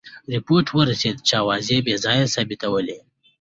رپوټ ورسېد چې آوازې بې ځایه ثابتولې.